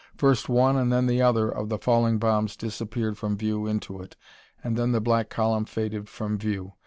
First one and then the other of the falling bombs disappeared from view into it, and then the black column faded from view.